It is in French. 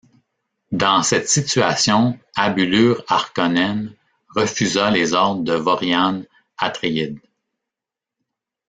Dans cette situation, Abulurd Harkonnen refusa les ordres de Vorian Atréides.